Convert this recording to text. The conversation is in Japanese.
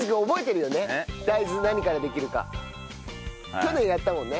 去年やったもんね。